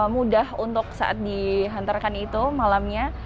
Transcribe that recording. mudah untuk saat dihantarkan itu malamnya